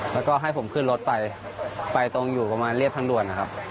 แล้วก็ให้ผมขึ้นรถไปไปตรงอยู่ประมาณเรียบทางด่วนนะครับ